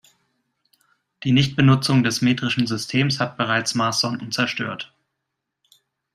Die Nichtbenutzung des metrischen Systems hat bereits Marssonden zerstört.